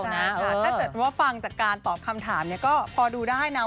ถ้าเกิดว่าฟังจากการตอบคำถามก็พอดูได้นะ